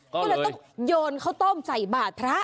ก็เลยต้องโยนข้าวต้มใส่บาทพระ